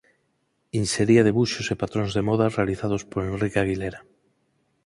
Insería debuxos e patróns de moda realizados por Enrique Aguilera.